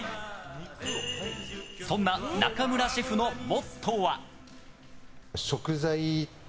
そんな中村シェフのモットーは。